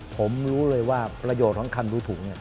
ผมรู้เลยว่าประโยชน์ของคันดูถุง